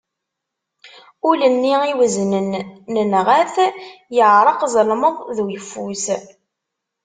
Ul-nni iweznen nenγa-t, yeԑreq ẓelmeḍ d uyeffus.